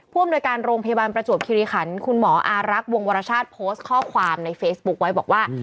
ประจวบคิริขันคุณหมออารักษ์วงวรชาติโพสต์ข้อความในเฟซบุ๊คไว้บอกว่า